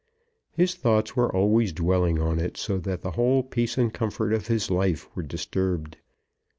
His thoughts were always dwelling on it, so that the whole peace and comfort of his life were disturbed.